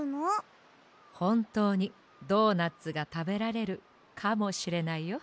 ほんとうにドーナツがたべられるかもしれないよ。